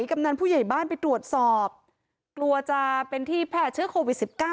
กำนันผู้ใหญ่บ้านไปตรวจสอบกลัวจะเป็นที่แพร่เชื้อโควิด๑๙